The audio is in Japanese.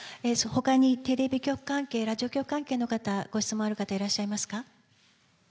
ほかにテレビ局関係、ラジオ局関係の方、ご質問ある方、いらっしゃいますか？